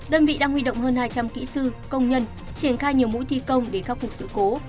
đơn vị đang huy động hơn hai trăm linh kỹ sư công nhân triển khai nhiều mũi thi công để khắc phục sự cố